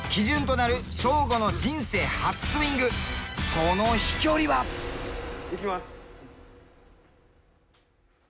その飛距離は。いきます。